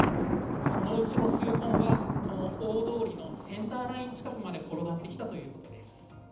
そのうちの数本はこの大通りのセンターライン近くまで転がってきたということです。